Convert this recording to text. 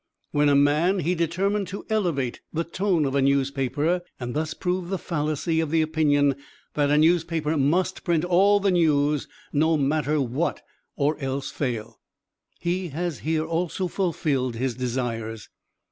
When a man he determined to elevate the tone of a newspaper, and thus prove the fallacy of the opinion that "A newspaper must print all the news, no matter what, or else fail"; he has here also fulfilled his desires.